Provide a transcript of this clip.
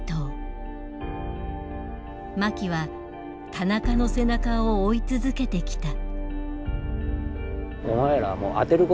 槇は田中の背中を追い続けてきた。